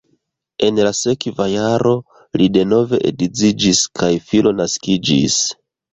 En la sekva jaro li denove edziĝis kaj filo naskiĝis.